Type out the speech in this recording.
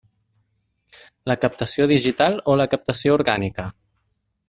La captació digital o la captació orgànica?